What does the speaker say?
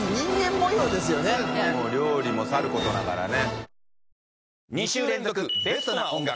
もう料理もさることながらね。